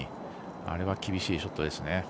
あれは厳しいショットですね。